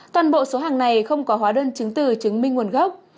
toàn bộ số hàng này không có hóa đơn chứng từ chứng minh nguồn gốc